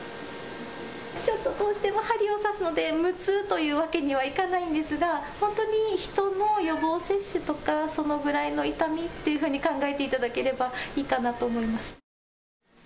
どうしても針を刺すので無痛というわけにはいかないんですが、本当に人の予防接種とかそのぐらいの痛みと考えていただければいいかなと思います。